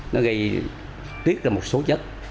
nó gây tuyết ra một số chất